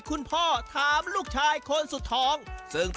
สุดใจ